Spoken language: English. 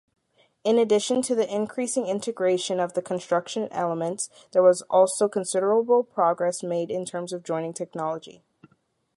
In addition to the increasing integration of the construction elements, there was also considerable progress made in terms of joining technology.